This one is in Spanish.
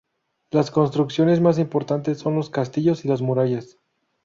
Las construcciones más importantes son los castillos y las murallas.